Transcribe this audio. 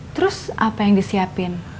terus apa yang disiapin